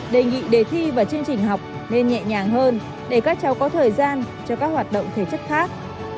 đề nghị đề thi và chương trình học nên nhẹ nhàng hơn để các cháu có thời gian cho các hoạt động thể chất khác